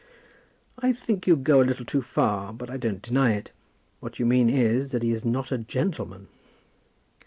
"I think you go a little too far, but I don't deny it. What you mean is, that he's not a gentleman."